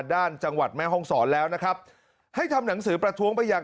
จังหวัดแม่ห้องศรแล้วนะครับให้ทำหนังสือประท้วงไปยัง